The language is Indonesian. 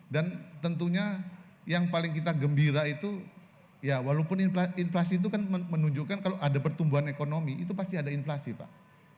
dan tentunya yang paling kita gembira itu ya walaupun inflasi itu kan menunjukkan kalau ada pertumbuhan ekonomi itu pasti ada inflasi pak